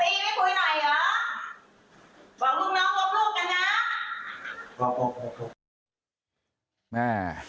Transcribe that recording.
หวังลูกน้องรอบลูกกันนะ